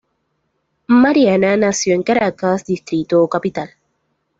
Mariana nació en Caracas, Distrito Capital.